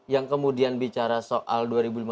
yang kemudian bicara soal dua ribu lima belas